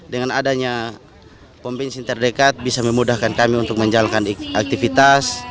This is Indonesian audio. dengan adanya pom bensin terdekat bisa memudahkan kami untuk menjalankan aktivitas